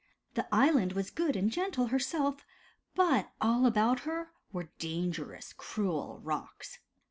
The island was good and gentle herself, but all about her were dangerous, cruel rocks.